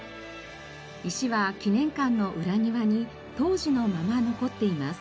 石は記念館の裏庭に当時のまま残っています。